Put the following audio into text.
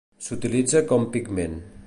S'utilitza com pigment.